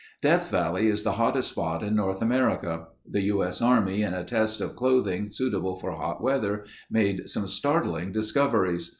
Death Valley is the hottest spot in North America. The U.S. Army, in a test of clothing suitable for hot weather made some startling discoveries.